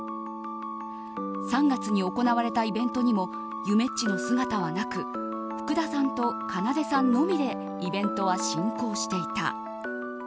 ３月に行われたイベントにもゆめっちの姿はなく福田さんとかなでさんのみでイベントは進行していた。